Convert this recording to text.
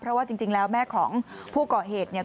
เพราะว่าจริงแล้วแม่ของผู้ก่อเหตุเนี่ย